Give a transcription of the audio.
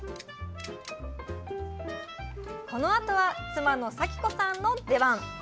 このあとは妻の咲子さんの出番。